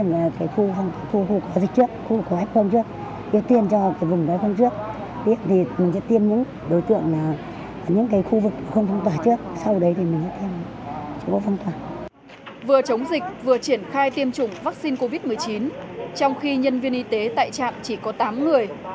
vừa chống dịch vừa triển khai tiêm chủng vaccine covid một mươi chín trong khi nhân viên y tế tại trạm chỉ có tám người